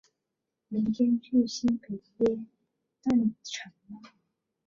明天去新北耶诞城吗？